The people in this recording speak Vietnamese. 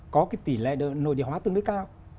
có cái tỷ lệ nội địa hóa tương đối cao